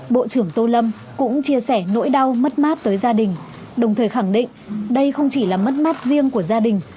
bộ trưởng tô lâm cũng chia sẻ nỗi đau mất mát tới gia đình đồng thời khẳng định đây không chỉ là mất mát riêng của gia đình